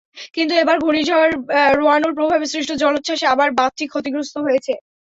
কিন্তু এবার ঘূর্ণিঝড় রোয়ানুর প্রভাবে সৃষ্ট জলোচ্ছ্বাসে আবার বাঁধটি ক্ষতিগ্রস্ত হয়েছে।